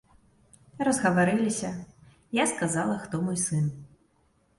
Разгаварыліся, я сказала, хто мой сын.